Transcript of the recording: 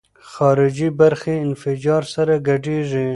خارجي برخې انفجار سره ګډېږي.